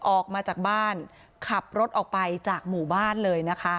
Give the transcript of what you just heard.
ออกมาจากบ้านขับรถออกไปจากหมู่บ้านเลยนะคะ